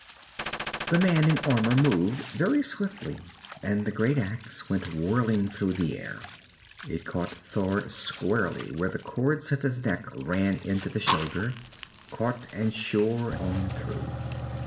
The man in armor moved, very swiftly, and the great axe went whirling through the air. It caught Thord squarely where the cords of his neck ran into the shoulder caught, and shore on through.